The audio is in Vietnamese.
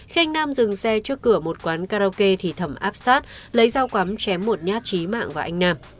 khi anh nam dừng xe trước cửa một quán karaoke thì thẩm áp sát lấy dao cắm chém một nhát trí mạng và anh nam